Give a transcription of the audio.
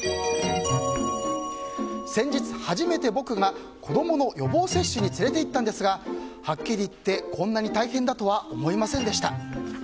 先日初めて僕が子供の予防接種に連れていったんですがはっきり言ってこんなに大変だとは思いませんでした。